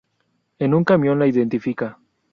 En un camión la identifica.